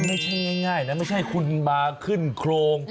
ไม่ใช่ง่ายนะไม่ใช่คุณมาขึ้นโครง